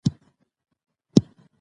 د مور کافي اوبه څښل ضروري دي.